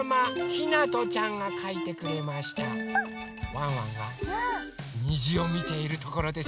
ワンワンがにじをみているところですよ。